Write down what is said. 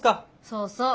そうそう。